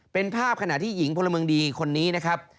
เป็นภาพขณะที่หญิงพลเมืองดีคนนี้นะครับ